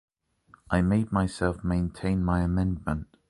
I myself maintain my amendment.